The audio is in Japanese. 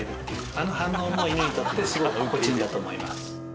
あの反応も犬にとってすごく心地いいんだと思います。